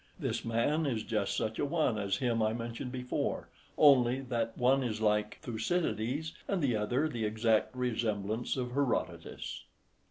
This man is just such a one as him I mentioned before, only that one is like Thucydides, and the other the exact resemblance of Herodotus.